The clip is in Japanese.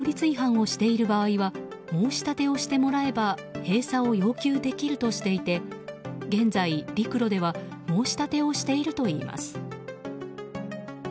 中国の管理会社は取材に対し規定違反や法律違反をしている場合は申し立てをしてもらえば閉鎖を要求できるとしていて現在、リクロでは申し立てをしているといいます。